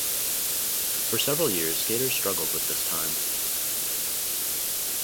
For several years skaters struggled with this time.